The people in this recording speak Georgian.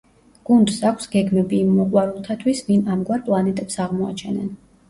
გუნდს აქვს გეგმები იმ მოყვარულთათვის ვინ ამგვარ პლანეტებს აღმოაჩენენ.